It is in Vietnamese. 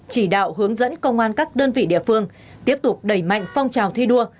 chỉ đạo hướng dẫn công an các đơn vị địa phương tiếp tục đẩy mạnh phong trào thi đua